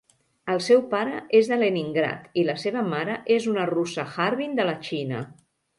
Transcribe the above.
El seu pare és de Leningrad i la seva mare és una russa Harbin de la Xina.